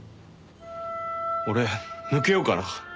俺抜けようかな。